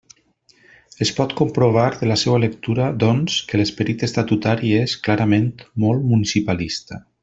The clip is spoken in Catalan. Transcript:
Es pot comprovar de la seua lectura, doncs, que l'esperit estatutari és, clarament, molt municipalista.